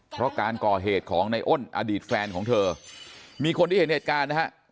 เพราะการก่อเหตุของในอ้นอดีตแฟนของเธอมีคนที่เห็นเหตุการณ์นะฮะ